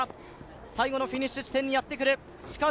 最後のフィニッシュ地点にやってくる。